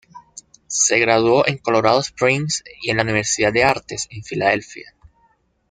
Se graduó en Colorado Springs y en la Universidad de artes en Filadelfia.